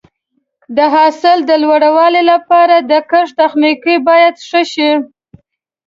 د حاصل د لوړوالي لپاره د کښت تخنیکونه باید ښه شي.